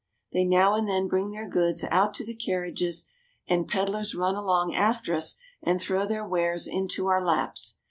They now and then bring their goods out to the carriages ; and peddlers run along after us and throw their wares into our laps.